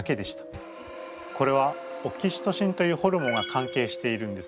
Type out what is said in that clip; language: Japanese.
これはオキシトシンというホルモンが関係しているんです。